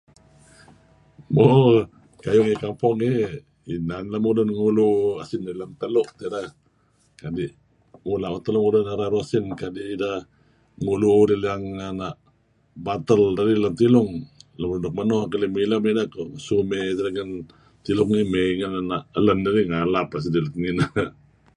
Mo kayu' ngi kampon ngih inan lemulun ngulu usin lem telu' kedeh kadi' mula' mula' mato' lemulun raruh usin kadi' ideh kadi' idh ngulu idih liang ana' batal dedih lem tilung. Tulu inan lun mileh meno lem ineh koh ngesu may ngi lem tilung may liang elen ngalap idih lat nginah.